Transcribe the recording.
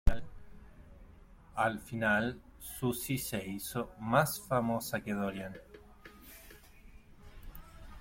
Al final, Suzy se hizo más famosa que Dorian.